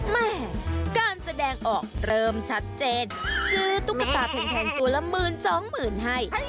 แม่การแสดงออกเริ่มชัดเจนซื้อตุ๊กตาแพงตัวละหมื่นสองหมื่นให้